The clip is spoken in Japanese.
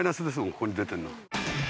ここに出てるの。